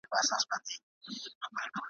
چي غویی له حیوانانو را ګوښه سو `